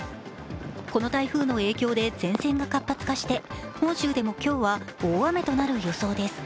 この台風の影響で前線が活発化して、本州でも今日は大雨となる予想です。